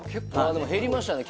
減りましたね